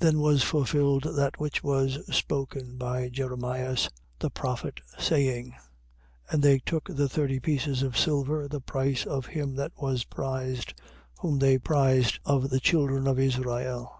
27:9. Then was fulfilled that which was spoken by Jeremias the prophet, saying: And they took the thirty pieces of silver, the price of him that was prized, whom they prized of the children of Israel.